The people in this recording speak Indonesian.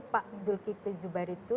pak julkipli zuber itu